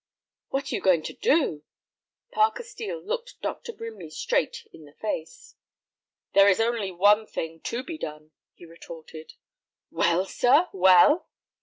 "What are you going to do?" Parker Steel looked Dr. Brimley straight in the face. "There is only one thing to be done," he retorted. "Well, sir, well?"